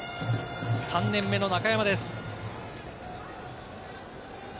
３年目の中山です。